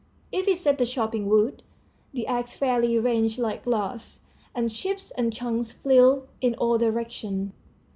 If he set to chopping wood, the axe fairly rang like glass, and chips and chunks flew in all directions.